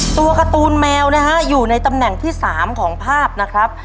ตัวการ์ตูนแมวนะฮะอยู่ในตำแหน่งที่๓ของภาพนะครับ